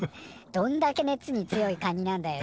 「どんだけ熱に強いカニなんだよ」